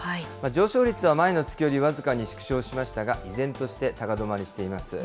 上昇率は前の月より僅かに縮小しましたが、依然として高止まりしています。